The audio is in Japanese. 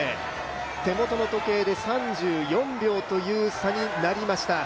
手元の時計で３４秒という差になりました。